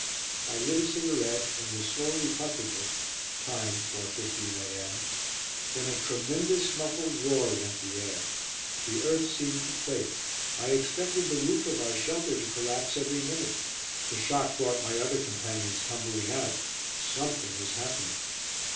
I lit a cigarette, and was slowly puffing it (time, 4.15 a.m.), when a tremendous muffled roar rent the air; the earth seemed to quake. I expected the roof of our shelter to collapse every minute. The shock brought my other companions tumbling out. "Something" was happening.